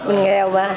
mình nghèo mà